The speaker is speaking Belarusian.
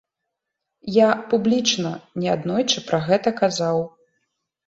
Я публічна неаднойчы пра гэта казаў.